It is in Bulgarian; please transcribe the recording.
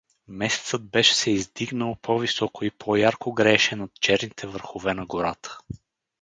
Месецът беше се издигнал по-високо и по-ярко грееше над черните върхове на гората.